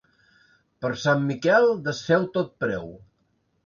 Per Sant Miquel desfeu tot preu.